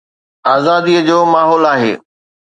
آزاديءَ جو ماحول آهي.